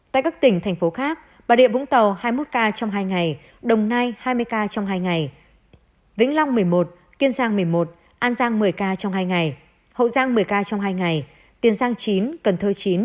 tại các tỉnh thành phố khác bà rịa vũng tàu hai mươi một ca trong hai ngày đồng nai hai mươi ca trong hai ngày vĩnh long một mươi một kiên giang một mươi một an giang một mươi ca trong hai ngày hậu giang một mươi ca trong hai ngày tiền giang chín cần thơ chín